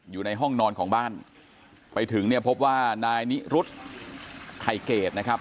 อยู่ในห้องนอนของบ้านไปถึงเนี่ยพบว่านายนิรุธไข่เกดนะครับ